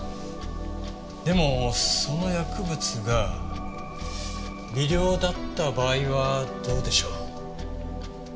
でもその薬物が微量だった場合はどうでしょう？